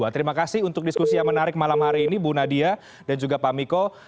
terima kasih untuk diskusi yang menarik malam hari ini bu nadia dan juga pak miko